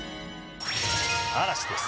嵐です。